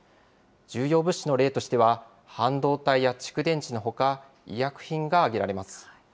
重要物資の例としては、半導体や蓄電池のほか、医薬品が挙げられます。